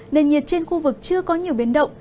nền nhiệt trên khu vực chưa có nhiều biến động